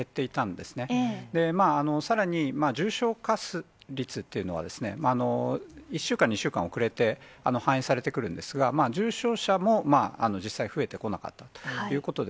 まあ、さらに重症化率っていうのは、１週間、２週間遅れて、反映されてくるんですが、重症者も実際増えてこなかったということで、